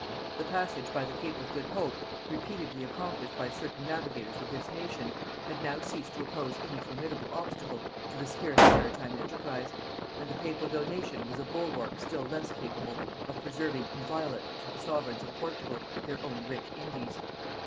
The passage by the Cape of Good Hope, repeatedly accomplished by circumnavigators of this nation, had now ceased to oppose any formidable obstacle to the spirit of maritime enterprise; and the papal donation was a bulwark still less capable of preserving inviolate to the sovereigns of Portugal their own rich Indies.